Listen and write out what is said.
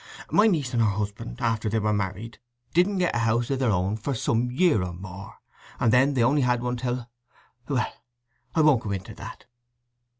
My niece and her husband, after they were married, didn' get a house of their own for some year or more; and then they only had one till—Well, I won't go into that.